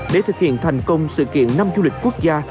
để thực hiện thành công sự kiện năm du lịch quốc gia hai nghìn hai mươi hai